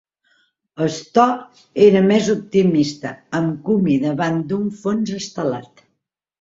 "Star" era més optimista, amb Kumi davant d'un fons estelat.